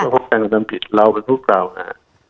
พวกการทำผิดเราเป็นผู้เปล่าค่ะ